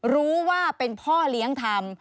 รู้ว่าเป็นพ่อเลี้ยงทำ